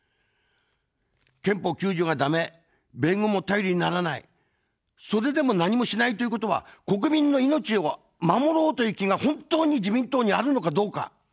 憲法９条がだめ、米軍も頼りにならない、それでも何もしないということは、国民の命を守ろうという気が本当に自民党にあるのかどうか。